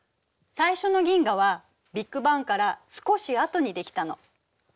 最初の銀河はビッグバンから「少しあと」に出来たの。